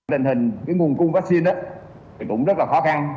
tình hình cái nguồn cung vaccine thì cũng rất là khó khăn